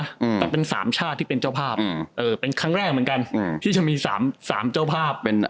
แต่เป็น๓ชาติที่เป็นเจ้าภาพเป็นครั้งแรกเหมือนกันที่จะมี๓เจ้าภาพ